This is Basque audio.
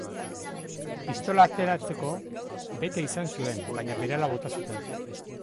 Pistola ateratzeko beta izan zuen, baina berehala bota zuten.